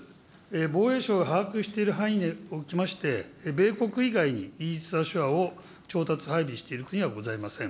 防衛省が把握している範囲におきまして、米国以外にイージス・アショアを調達、配備している国はございません。